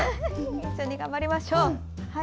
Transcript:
一緒に頑張りましょう。